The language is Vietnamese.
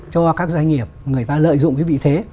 cho các doanh nghiệp người ta lợi dụng cái vị thế